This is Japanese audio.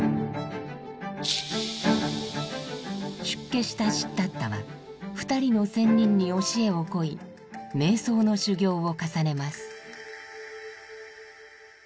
出家したシッダッタは２人の仙人に教えをこい「瞑想」の修行を重ねます。